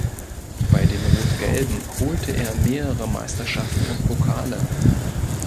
Bei den "Rot-Gelben" holte er mehrere Meisterschaften und Pokale.